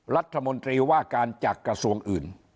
รัฐมนตรีว่าการจากกระทรวงอื่น